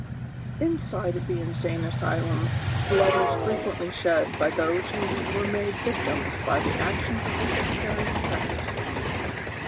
NSIDE of the insane asylum blood was frequently shed by those who were made victims by the actions of the sectarian practices.